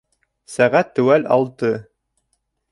Сәғәт теүәл алты